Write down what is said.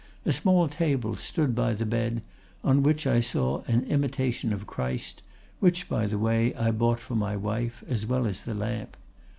A small table stood by the bed, on which I saw an "Imitation of Christ," which, by the way, I bought for my wife, as well as the lamp.